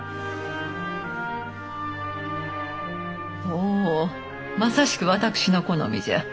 おおまさしく私の好みじゃ。